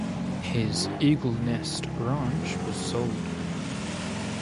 His "Eagle's Nest" ranch was sold.